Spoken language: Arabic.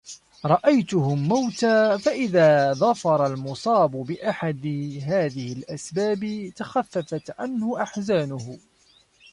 رَأَيْتُهُمْ مَوْتَى فَإِذَا ظَفِرَ الْمُصَابُ بِأَحَدِ هَذِهِ الْأَسْبَابِ تَخَفَّفَتْ عَنْهُ أَحْزَانُهُ